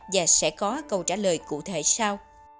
và sẽ có câu trả lời cụ thể sau